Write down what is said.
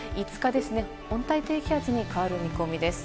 ５日ですね、温帯低気圧に変わる見込みです。